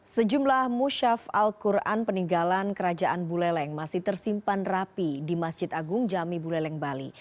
sejumlah musyaf al quran peninggalan kerajaan buleleng masih tersimpan rapi di masjid agung jami buleleng bali